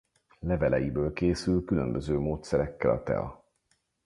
Leveleiből készül különböző módszerekkel a tea.